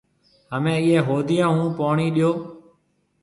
همَي اِيئي هوديون هون پوڻِي ڏيو۔